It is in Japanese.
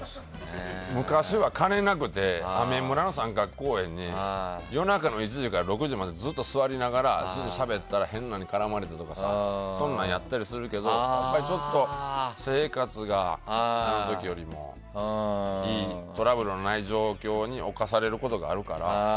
昔は金なくてアメ村三角公園に夜中の１時から６時までずっと座りながらしゃべってたら変なのに絡まれてとかそんなんやったりするけどちょっと生活があの時よりもトラブルのない状況に置かされることがあるから。